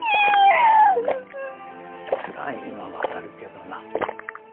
つらいんは分かるけどな。